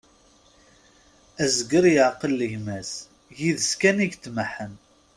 Azger yeεqel gma-s, yid-s kan i itmeḥḥen.